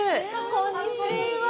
こんにちは。